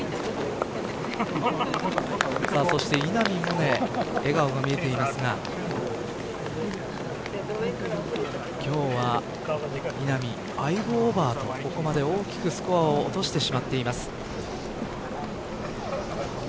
そして、稲見萌寧笑顔が見えていますが今日は稲見５オーバーとここまで大きくスコアを落としてしまっています。